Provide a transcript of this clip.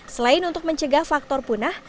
selain untuk mencegah faktor punah